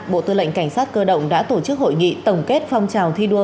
bộ tư lệnh cảnh sát cơ động đã tổ chức hội nghị tổng kết phong trào thi đua